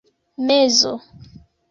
mezo